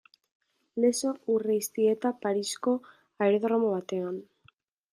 Lezo Urreiztieta Parisko aerodromo batean.